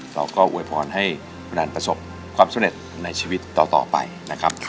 อวยพรให้คุณอันประสบความสำเร็จในชีวิตต่อไปนะครับ